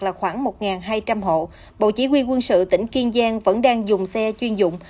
là khoảng một hai trăm linh hộ bộ chỉ huy quân sự tỉnh kiên giang vẫn đang dùng xe chuyên dụng